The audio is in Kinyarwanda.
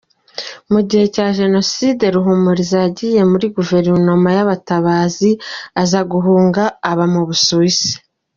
Mugihe cya Jenoside, Ruhumuriza yagiye muri Guverinoma y’abatabazi, aza guhunga aba mu Busuwisi.